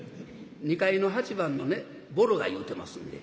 ２階の８番のねぼろが言うてますんで。